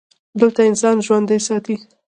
هیله انسان ژوندی ساتي.